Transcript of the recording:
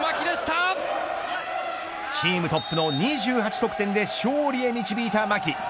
チームトップの２８得点で勝利へ導いた牧。